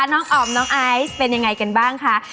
น้องอ๋อมน้องไอซ์เป็นยังไงกันบ้างคะ